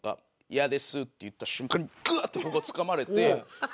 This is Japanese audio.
「嫌です」って言った瞬間にぐわってここつかまれてホンマ